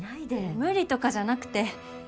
無理とかじゃなくて。